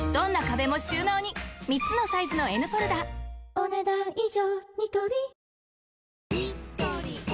お、ねだん以上。